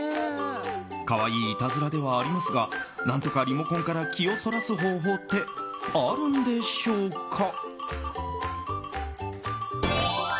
可愛いいたずらではありますが何とかリモコンから気をそらす方法ってあるんでしょうか。